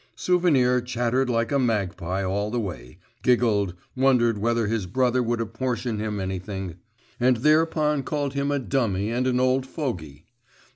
Souvenir chattered like a magpie all the way, giggled, wondered whether his brother would apportion him anything, and thereupon called him a dummy and an old fogey.